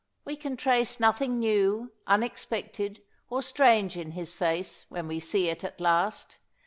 We can trace Nothing new, unexpected, or strange in his face When we see it at last.